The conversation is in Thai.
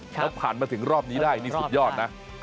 แล้วผ่านมาถึงรอบนี้ได้นี่สุดยอดนะ